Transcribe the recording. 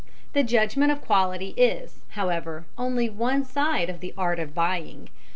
The judgment of quality is, however, only one side of the art of buying.